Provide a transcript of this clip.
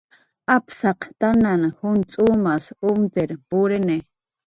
Apsaq tananh juncx'umas umt'ir purini